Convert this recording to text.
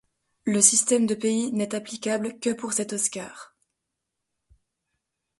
Le système de pays n'est applicable que pour cet Oscar.